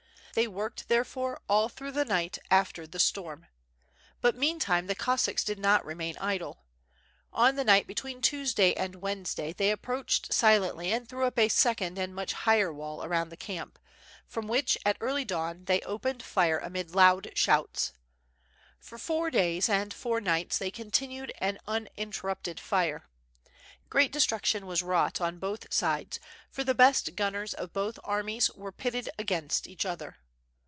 They worked therefore all through the night after the storm. But meantime the Cossacks did not remain idle. On the night between Tuesday and Wednesday they approached silently and threw up a second and mfich higher wall around the camp, from which at early dawn they opened fire amid loud shouts. For four days and four nights they continued an uninterrupted fire. Great destruction was wrought on both sides, for the best gunners of both armies were pitted against each other.